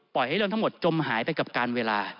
ให้เรื่องทั้งหมดจมหายไปกับการเวลา